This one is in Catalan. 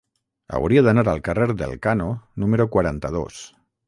Hauria d'anar al carrer d'Elkano número quaranta-dos.